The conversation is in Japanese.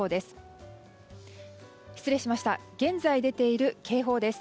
現在、出ている警報です。